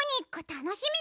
たのしみ！